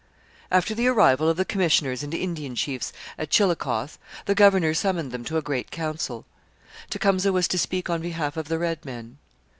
After the arrival of the commissioners and Indian chiefs at Chillicothe the governor summoned them to a great council. Tecumseh was to speak on behalf of the red men.